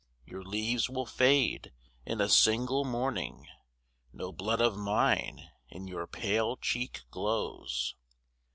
Your leaves will fade in a single morning; No blood of mine in your pale cheek glows.